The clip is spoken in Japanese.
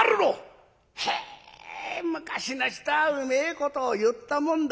へえ昔の人はうめえことを言ったもんだ。